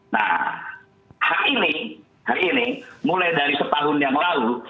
nah ini hari ini mulai dari setahun yang lalu